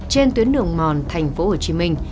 trên tuyến đường mòn thành phố hồ chí minh